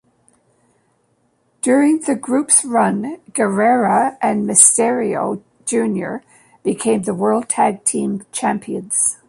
During the group's run, Guerrera and Misterio, Junior became the World Tag Team Champions.